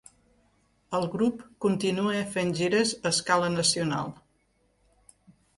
El grup continua fent gires a escala nacional.